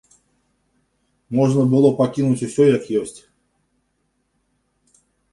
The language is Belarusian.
Можна было пакінуць усё як ёсць.